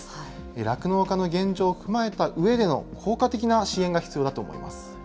酪農家の現状を踏まえたうえでの、効果的な支援が必要だと思います。